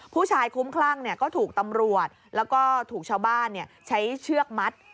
ผู้ชายคุ้มคลั่งก็ถูกตำรวจแล้วก็ถูกชาวบ้านใช้เชือกมัด